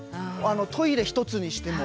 トイレ一つにしても。